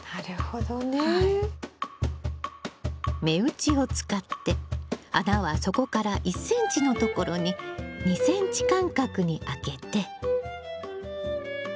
目打ちを使って穴は底から１ｃｍのところに２ｃｍ間隔に開けて。